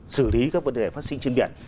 xử lý các vấn đề phát sinh trên biển